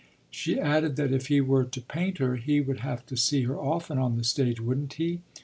She added that if he were to paint her he would have to see her often on the stage, wouldn't he?